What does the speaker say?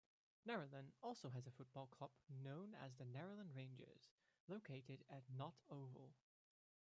Narellan also has a football club known as Narellan Rangers located at Nott Oval.